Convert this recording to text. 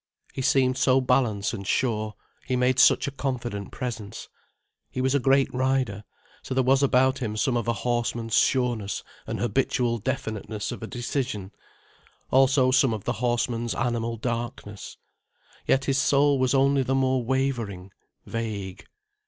He seemed so balanced and sure, he made such a confident presence. He was a great rider, so there was about him some of a horseman's sureness and habitual definiteness of decision, also some of the horseman's animal darkness. Yet his soul was only the more wavering, vague.